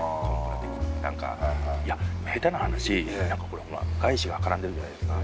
なんかいや下手な話なんかほら外資が絡んでるじゃないですか。